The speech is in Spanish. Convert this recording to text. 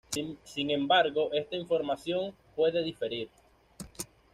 Sin embargo esta información puede diferir.